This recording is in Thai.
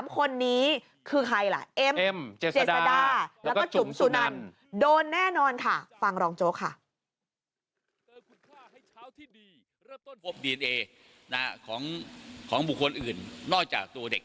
๓คนนี้คือใครล่ะ